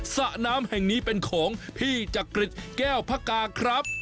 สระน้ำแห่งนี้เป็นของพี่จักริจแก้วพระกาครับ